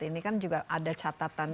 ini kan juga ada catatan